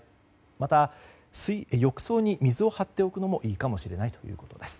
また、浴槽に水を張っておくのもいいかもしれないということです。